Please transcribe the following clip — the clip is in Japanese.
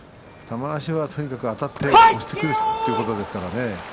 玉鷲はとにかく、あたって押してくるということですからね。